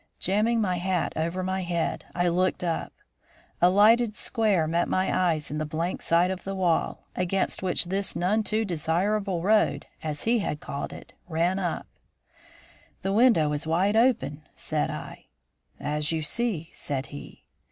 Jamming my hat over my head, I looked up. A lighted square met my eyes in the blank side of the wall, against which this none too desirable road, as he called it, ran up. "The window is wide open," said I. "As you see," said he.